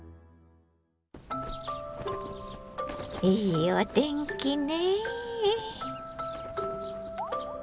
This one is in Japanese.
いいお天気ね。